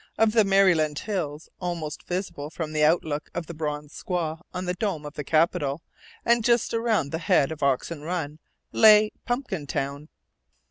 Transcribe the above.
of the Maryland hills, almost visible from the outlook of the bronze squaw on the dome of the Capitol, and just around the head of Oxen Run, lay Pumpkintown.